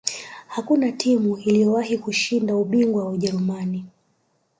hakuna timu iliyowahi kushinda ubingwa wa ujerumani